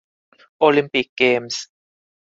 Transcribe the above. โอลิมปิกเกมส์